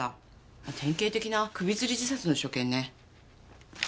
典型的な首つり自殺の所見ね。